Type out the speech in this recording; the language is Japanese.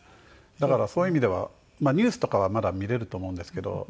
だからそういう意味ではニュースとかはまだ見れると思うんですけど。